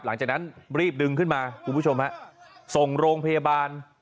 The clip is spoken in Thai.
หลังจากนั้นรีบดึงขึ้นมาคุณผู้ชมฮะส่งโรงพยาบาล